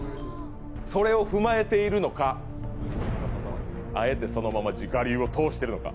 それを踏まえているのか、あえてそのまま自己流を通しているのか。